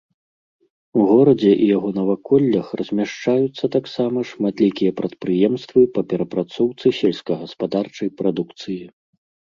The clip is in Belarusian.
У горадзе і яго наваколлях размяшчаюцца таксама шматлікія прадпрыемствы па перапрацоўцы сельскагаспадарчай прадукцыі.